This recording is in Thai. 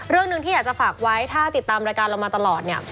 เรื่องหนึ่งที่อยากจะฝากไว้ถ้าติดตามรายการเรามาตลอดเนี่ย